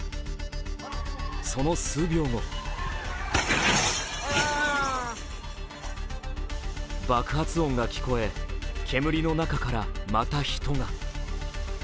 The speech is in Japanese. その数秒後爆発音が聞こえ、煙の中からまた人が。